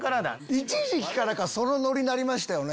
一時期からかそのノリになりましたよね。